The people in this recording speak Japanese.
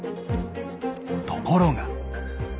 ところが。